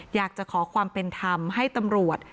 อยากจะขอความเป็นธรรมให้ตำรวจ